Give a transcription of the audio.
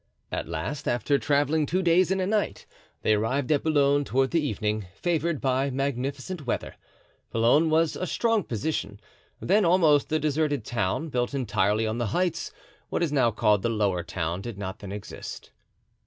At last, after traveling two days and a night, they arrived at Boulogne toward the evening, favored by magnificent weather. Boulogne was a strong position, then almost a deserted town, built entirely on the heights; what is now called the lower town did not then exist.